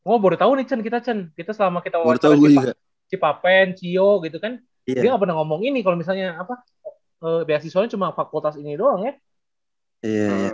oh baru tahu nih chan kita cen kita selama kita wawancara cipapen cio gitu kan dia nggak pernah ngomong ini kalau misalnya beasiswanya cuma fakultas ini doang ya